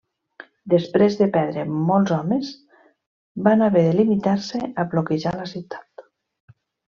Després de perdre molts homes van haver de limitar-se a bloquejar la ciutat.